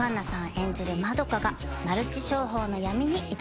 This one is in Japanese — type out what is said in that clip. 演じる円がマルチ商法の闇に挑みます。